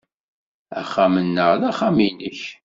Axxam-nneɣ d axxam-nnek.